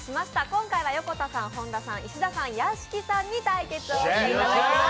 今回は横田さん、本田さん、石田さん、屋敷さんで対決していただきます。